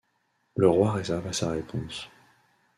Le roi réserva sa réponse.